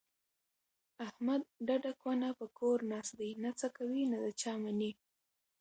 احمد ډډه کونه په کور ناست دی، نه څه کوي نه د چا مني.